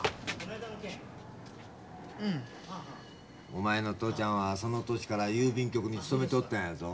お前の父ちゃんはその年から郵便局に勤めておったんやぞ。